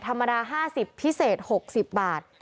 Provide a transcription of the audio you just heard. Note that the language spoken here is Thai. ธรรมดา๕๐พิเศษ๖๐บาท